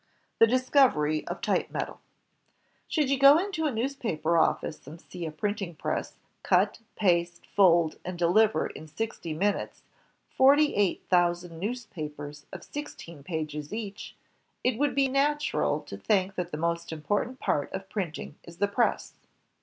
The Discovery of Type Metal Should you go into a newspaper office and see a printing press print, cut, paste, fold, and deliver in sixty minutes forty eight thousand newspapers of sixteen pages each, it would be natural to think that the most important part of printing is the press.